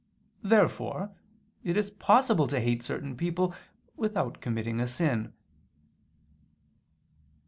Therefore it is possible to hate certain people without committing a sin.